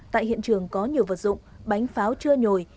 tại hiện trường có nhiều vật dụng bánh pháo chưa nhồi